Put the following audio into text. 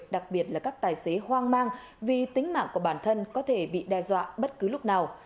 đặc biệt là các tài xế hoang mang vì tính mạng của bản thân có thể bị đe dọa bất cứ lúc nào